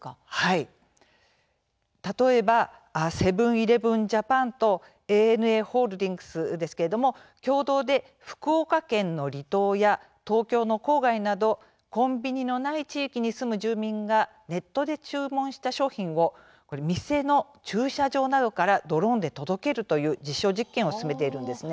例えばセブン−イレブン・ジャパンとＡＮＡホールディングスですけれども、共同で福岡県の離島や東京の郊外などコンビニのない地域に住む住民がネットで注文した商品を店の駐車場などからドローンで届けるという実証実験を進めているんですね。